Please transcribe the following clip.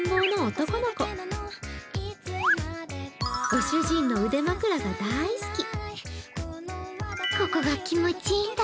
ご主人の腕枕が大好き。